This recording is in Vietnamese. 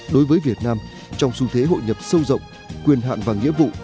đối với việt nam trong xu thế hội nhập sâu rộng quyền hạn và nghĩa vụ